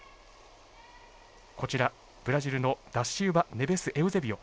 こちらブラジルのダシウバネベスエウゼビオ。